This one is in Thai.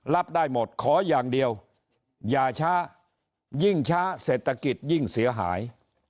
รับได้หมดขออย่างเดียวอย่าช้ายิ่งช้าเศรษฐกิจยิ่งเสียหาย